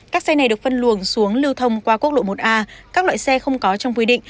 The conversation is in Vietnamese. các xe này được phân luồng xuống lưu thông qua quốc lộ một a các loại xe không có trong quy định